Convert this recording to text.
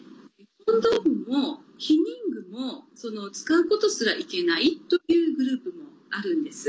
コンドームも避妊具も使うことすらいけないというグループもあるんです。